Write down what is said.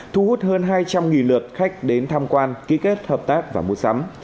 thu hút hơn hai trăm linh lượt khách đến tham quan ký kết hợp tác và mua sắm